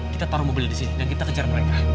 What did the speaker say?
kita taruh mobilnya disini dan kita kejar mereka